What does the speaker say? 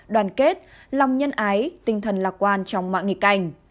đoàn kết lòng nhân ái tinh thần lạc quan trong mạng nghị cảnh